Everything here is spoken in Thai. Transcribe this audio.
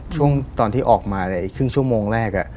ช่วงตอนที่ออกมาอีกครึ่งชั่วโมงแรก